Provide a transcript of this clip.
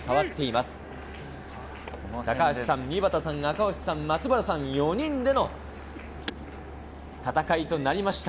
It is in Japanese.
高橋さん、井端さん、赤星さん、松原さん４人での戦いとなりました。